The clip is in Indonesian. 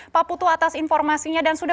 pak putu atas informasinya dan sudah